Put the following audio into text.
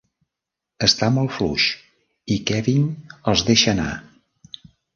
Està molt fluix, i Kevin els deixa anar...